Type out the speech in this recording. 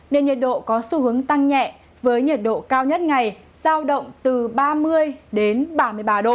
nên nhiệt độ có xu hướng tăng nhẹ với nhiệt độ cao nhất ngày giao động từ ba mươi đến ba mươi ba độ